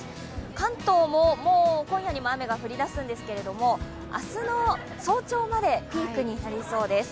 関東ももう今夜にも雨が降りだすんですけれど明日の早朝までピークになりそうです。